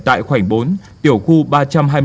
tại khoảng bốn tiểu khu ba trăm hai mươi năm a